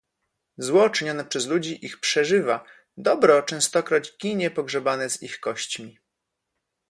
"Zło czynione przez ludzi ich przeżywa, dobro częstokroć ginie pogrzebane z ich kośćmi"